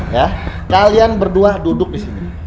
ya kalian berdua duduk di sini